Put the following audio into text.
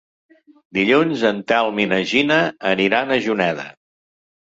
Dilluns en Telm i na Gina aniran a Juneda.